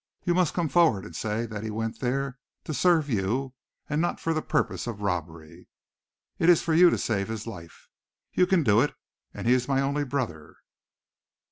You must come forward and say that he went there to serve you, and not for purposes of robbery. It is for you to save his life. You can do it, and he is my only brother."